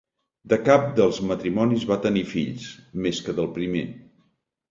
De cap dels matrimonis va tenir fills, més que del primer.